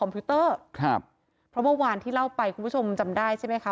ครับเพราะเมื่อวานที่เล่าไปคุณผู้ชมจำได้ใช่ไหมคะ